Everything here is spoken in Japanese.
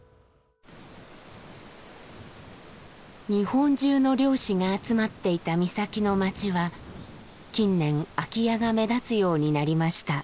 日本中の漁師が集まっていた三崎の町は近年空き家が目立つようになりました。